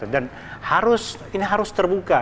dan ini harus terbuka